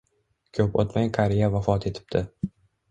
Ko'p o'tmay qariya vafot etibdi